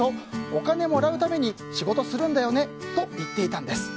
お金もらうために仕事するんだよね！と言っていたんです。